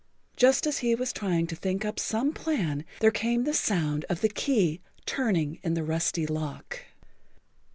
Just as he was trying to think up some plan there came the sound of the key turning in the rusty lock.